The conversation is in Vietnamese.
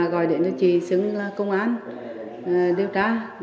gọi đến cho chị xứng công an điều tra